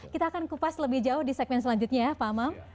kita akan kupas lebih jauh di segmen selanjutnya ya pak amam